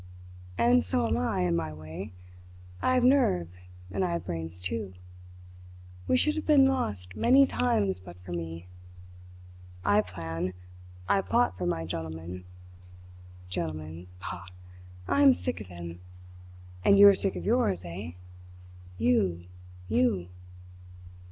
And so am I, in my way. I have nerve, and I have brains, too. We should have been lost many times but for me. I plan I plot for my gentleman. Gentleman pah! I am sick of him. And you are sick of yours, eh? You, you!"